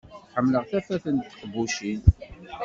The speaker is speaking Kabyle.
Ḥemmleɣ tafat n teqbucin.